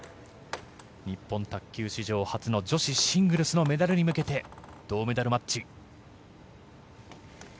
日本卓球史上初の女子シングルスのメダルに向けて銅メダルマッチ。